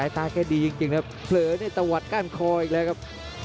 ตาแกดีจริงครับเผลอในตะวัดก้านคออีกแล้วครับ